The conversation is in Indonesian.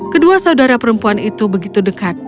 kedua saudara perempuan itu begitu dekat